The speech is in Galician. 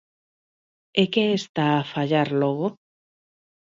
¿E que está a fallar logo?